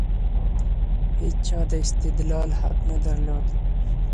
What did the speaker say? هيچا د استدلال حق نه درلود.